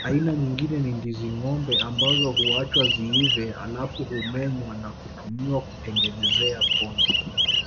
Aina nyingine ni ndizi ngombe ambazo huachwa ziive halafu humenywa na kutumiwa kutengenezea pombe